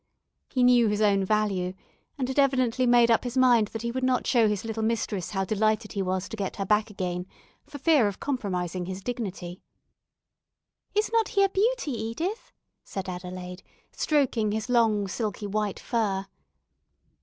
He knew his own value, and had evidently made up his mind that he would not show his little mistress how delighted he was to get her back again, for fear of compromising his dignity. "Is not he a beauty, Edith?" said Adelaide, stroking his long, silky, white fur.